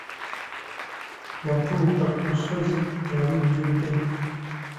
Natuuka ku lusozi nga lujjudde.